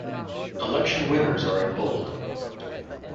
"Election winners are in bold".